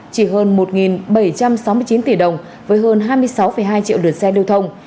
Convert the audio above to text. chỉ hơn một bảy trăm sáu mươi chín tỷ đồng với hơn hai mươi sáu hai triệu lượt xe lưu thông